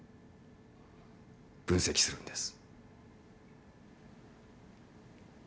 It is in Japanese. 分析するんです。